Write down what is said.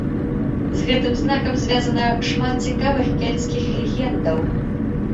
З гэтым знакам звязана шмат цікавых кельцкіх легендаў.